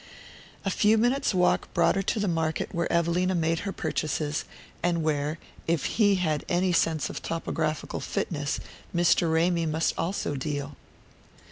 A few minutes' walk brought her to the market where Evelina made her purchases, and where, if he had any sense of topographical fitness, Mr. Ramy must also deal.